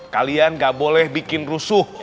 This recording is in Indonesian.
kalian gak boleh bikin rusuh